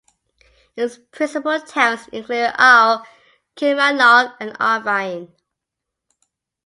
Its principal towns include Ayr, Kilmarnock and Irvine.